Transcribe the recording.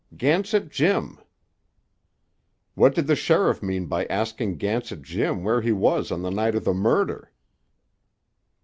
"Gansett Jim." "What did the sheriff mean by asking Gansett Jim where he was the night of the murder?"